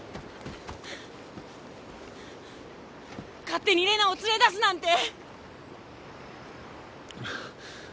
勝手に玲奈を連れ出すなんて！